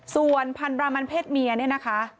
ส่วนพันธรามันเพศเมียเนี่ยนะคะ